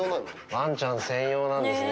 ワンちゃん専用なんですね。